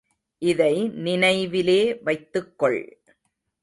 இதை நினைவிலே வைத்துக் கொள்!